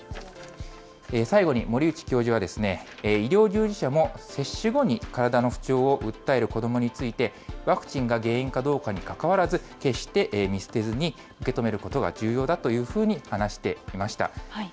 最後に森内教授は、医療従事者も、接種後に体の不調を訴える子どもについて、ワクチンが原因かどうかにかかわらず、決して見捨てずに受け止めることが重要だというふうに話していました。